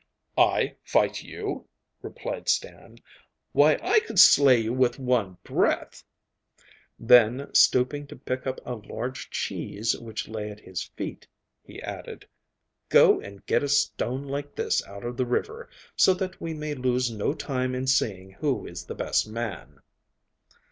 'I fight you?' replied Stan, 'why I could slay you with one breath!' Then, stooping to pick up a large cheese which lay at his feet, he added, 'Go and get a stone like this out of the river, so that we may lose no time in seeing who is the best man.